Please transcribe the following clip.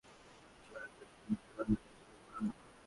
একই দিন সৌদি আরবের কাতিফ অঞ্চলে আরেক ব্যক্তির মৃত্যুদণ্ড কার্যকর করা হয়।